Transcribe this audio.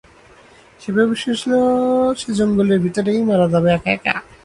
সে ভেবেছিল সে জঙ্গলের ভিতরেই মারা যাবে একা একা।